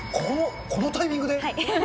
このタイミングで？